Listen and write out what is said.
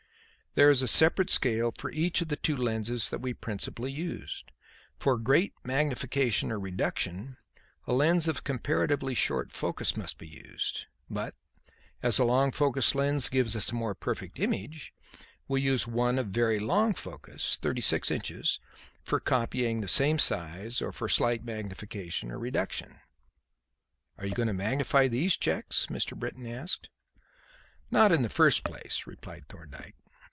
"There is a separate scale for each of the two lenses that we principally use. For great magnification or reduction a lens of comparatively short focus must be used, but, as a long focus lens gives a more perfect image, we use one of very long focus thirty six inches for copying the same size or for slight magnification or reduction." "Are you going to magnify these cheques?" Mr. Britton asked. "Not in the first place," replied Thorndyke.